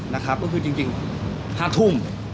นะครับก็คือจริง๕ทุ่ม